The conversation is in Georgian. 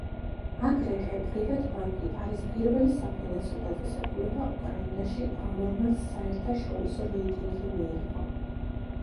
აგრეთვე პრივატბანკი არის პირველი საფინანსო დაწესებულება უკრაინაში, რომელმაც საერთაშორისო რეიტინგი მიიღო.